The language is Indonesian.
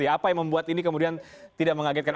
apa yang membuat ini kemudian tidak mengagetkan